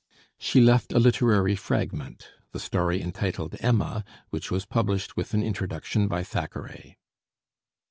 She left a literary fragment the story entitled 'Emma,' which was published with an introduction by Thackeray.